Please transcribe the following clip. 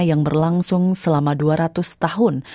yang berlangsung selama dua ratus tahun